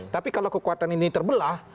tapi kalau kekuatan ini terbelah